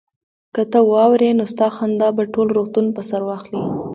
که ته واورې نو ستا خندا به ټول روغتون په سر واخلي